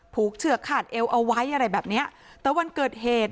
เฉือกขาดเอวเอาไว้อะไรแบบเนี้ยแต่วันเกิดเหตุ